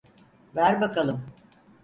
Ver bakalım.